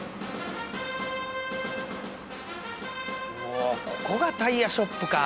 うわここがタイヤショップか。